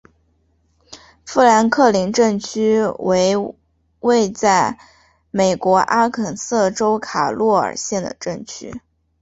富兰克林镇区为位在美国阿肯色州卡洛尔县的镇区。